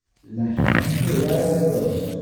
La gigante Warner Bros.